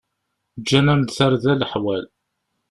Ǧǧan-am-d tarda leḥwal.